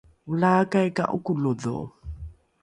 olaakai ka ’okolodho